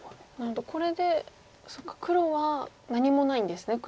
これでそっか黒は何もないんですね。